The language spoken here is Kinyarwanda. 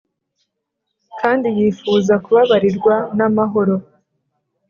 kandi yifuza kubabarirwa n'amahoro,